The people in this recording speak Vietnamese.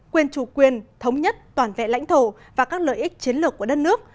quyền chủ quyền thống nhất toàn vẹn lãnh thổ và các lợi ích chiến lược của đất nước